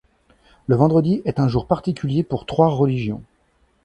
Le vendredi est un jour particulier pour trois religions.